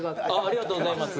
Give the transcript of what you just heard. ありがとうございます。